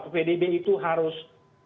pdb itu harus